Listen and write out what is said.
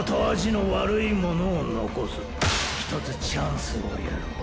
ひとつチャンスをやろう！